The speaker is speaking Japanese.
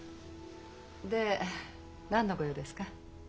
で何のご用ですか？